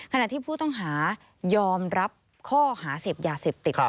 ขณะที่ผู้ต้องหายอมรับข้อหาเสพยาเสพติด